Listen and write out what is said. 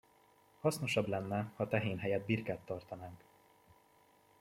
Hasznosabb lenne, ha tehén helyett birkát tartanánk.